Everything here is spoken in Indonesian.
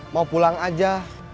mau pulang aja